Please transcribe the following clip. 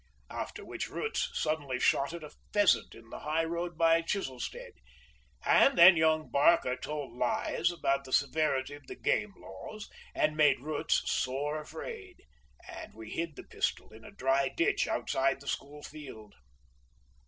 After which Roots suddenly shot at a pheasant in the high road by Chiselstead, and then young Barker told lies about the severity of the game laws and made Roots sore afraid, and we hid the pistol in a dry ditch outside the school field.